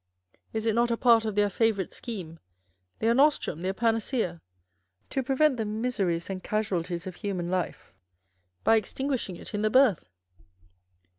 Is it not a part of their favourite scheme, their nostrum, their panacea, to prevent the miseries and casualties of human life by extinguishing it in the birth